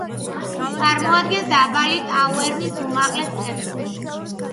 წარმოადგენს დაბალი ტაუერნის უმაღლეს წერტილს.